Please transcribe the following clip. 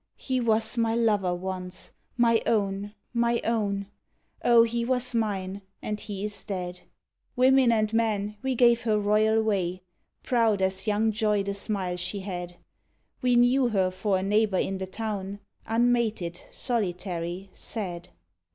"He was my lover once my own, my own; Oh, he was mine, and he is dead!" Women and men, we gave her royal way; Proud as young joy the smile she had. We knew her for a neighbor in the Town, Unmated, solitary, sad.